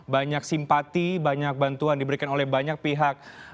banyak simpati banyak bantuan diberikan oleh banyak pihak